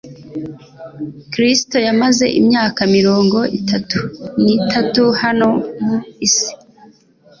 Kristo yamaze imyaka mirongo itatu n'itatu hano mu isi,